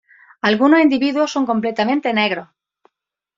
Algunos individuos son completamente negros.